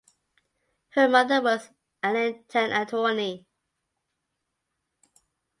Her mother was an Allentown attorney.